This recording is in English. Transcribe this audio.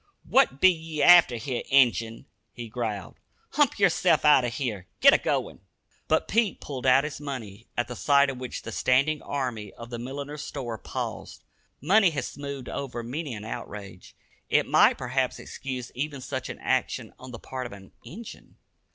"What be ye after here, Injun?" he growled. "Hump yerself outer here git a goin'!" But Pete pulled out his money, at the sight of which the standing army of the milliner's store paused. Money has smoothed over many an outrage. It might perhaps excuse even such an action on the part of an "Injun."